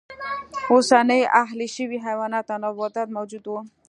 اوسني اهلي شوي حیوانات او نباتات موجود و.